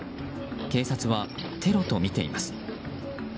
警察はテロとみています。